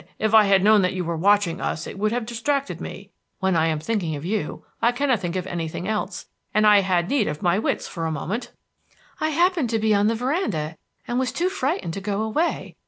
"If I had known that you were watching us it would have distracted me. When I am thinking of you I cannot think of anything else, and I had need of my wits for a moment." "I happened to be on the veranda, and was too frightened to go away.